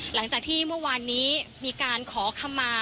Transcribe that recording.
หลังจากที่เมื่อวานนี้มีการขอคำมา